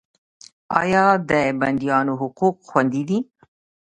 آیا د بندیانو حقوق خوندي دي؟